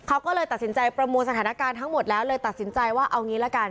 เขาก็เลยตัดสินใจประมวลสถานการณ์ทั้งหมดแล้วเลยตัดสินใจว่าเอางี้ละกัน